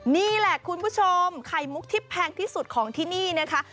นี่แหละคุณผู้ชมไข่มุกที่แพงที่สุดของที่นี่นะคะ